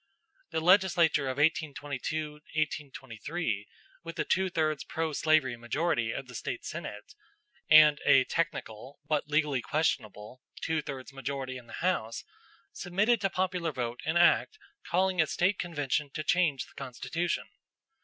The legislature of 1822 23, with a two thirds pro slavery majority of the State Senate, and a technical, but legally questionable, two thirds majority in the House, submitted to popular vote an act calling a State convention to change the constitution.